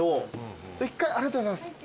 ありがとうございます。